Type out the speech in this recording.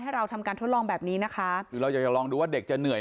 เราทำการทดลองแบบนี้นะคะคือเราอยากจะลองดูว่าเด็กจะเหนื่อย